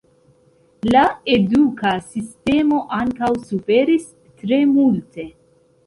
La eduka sistemo ankaŭ suferis tre multe.